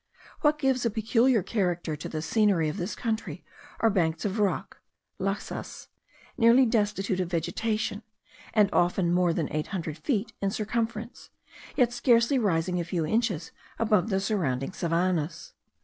What gives a peculiar character to the scenery of this country are banks of rock (laxas) nearly destitute of vegetation, and often more than eight hundred feet in circumference, yet scarcely rising a few inches above the surrounding savannahs.